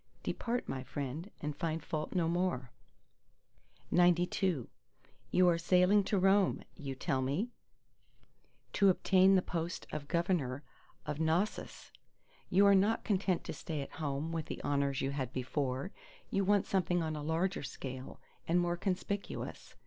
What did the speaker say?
—Depart, my friend and find fault no more! XCIII You are sailing to Rome (you tell me) to obtain the post of Governor of Cnossus. You are not content to stay at home with the honours you had before; you want something on a larger scale, and more conspicuous.